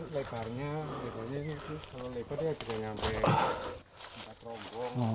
leparnya bisa nyampe empat kerombong